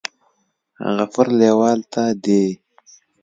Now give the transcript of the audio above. غفور لیوال ته دې